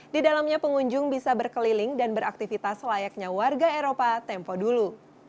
di dalamnya pengunjung bisa berkeliling dan beraktivitas layaknya warga eropa tempo dulu